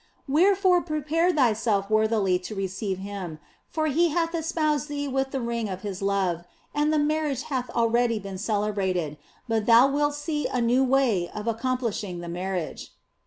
Wherefore prepare thyself worthily to receive Him, for He hath espoused thee with the ring of His love and the marriage hath already been celebrated, but now wilt thou see a new way of accomplishing the marriage."